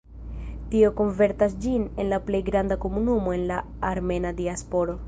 Tio konvertas ĝin en la plej granda komunumo en la armena diasporo.